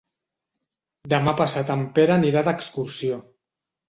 Demà passat en Pere anirà d'excursió.